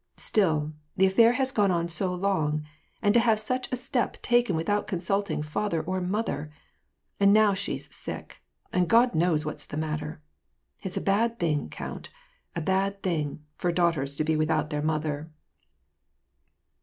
Still, the affair has gone on so long, and to have such a step taken without consulting father or mother ! And now she's sick, and God knows what's the matter. It's a bad thing, count, a bad thing, for daughters to be without their mother